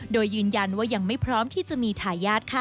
โดยยืนยันว่ายังไม่พร้อมที่จะมีทายาทค่ะ